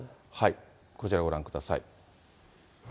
こちら、ご覧ください。